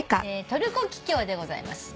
トルコキキョウでございます。